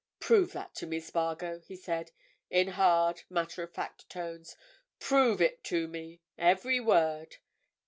"Prove that to me, Spargo," he said, in hard, matter of fact tones. "Prove it to me, every word.